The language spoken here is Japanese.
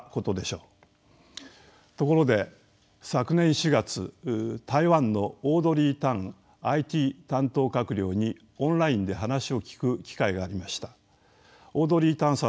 ところで昨年４月台湾のオードリー・タンＩＴ担当閣僚にオンラインで話を聞く機会がありました。